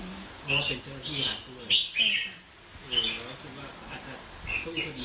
เขาเป็นเจ้าหน้าที่หาดเข้าไป